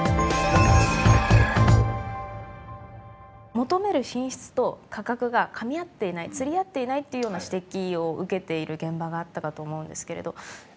求める品質と価格がかみ合っていない釣り合っていないというような指摘を受けている現場があったかと思うんですけれど。